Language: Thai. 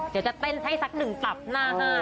เดี๋ยวจะเต้นให้สักหนึ่งตับหน้าค่ะ